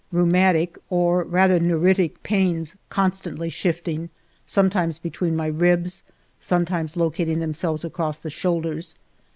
Rheumatic, or rather neu riticj pains constantly shifting, sometimes between my ribs, sometimes locating themselves across the shoulders.